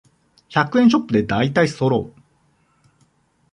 百円ショップでだいたいそろう